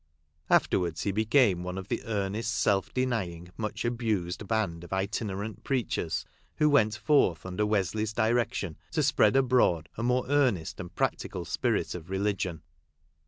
After ward* he became one of the earnest, self denying, much abused band of itinerant preachers, who went forth under Wesley's direction to spread abroad a more earnest and practical spirit of religion.